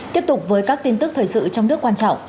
tiếp tục với các tin tức thời sự trong nước quan trọng